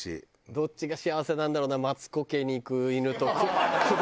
どっちが幸せなんだろうなマツコ家に行く犬と久保田家に行く。